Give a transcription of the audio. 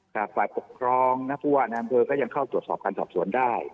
ค่ะฝ่ายปกครองเนื้อหัภวะนรับเมือก็ยังเข้าตรวจการสอบสวนได้